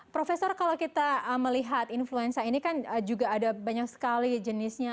profesor kalau kita melihat influenza ini kan juga ada banyak sekali jenisnya